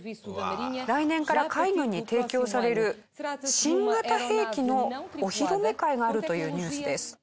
来年から海軍に提供される新型兵器のお披露目会があるというニュースです。